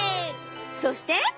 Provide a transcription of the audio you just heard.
そして。